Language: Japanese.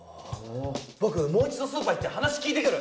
ぼくもう一度スーパー行って話聞いてくる！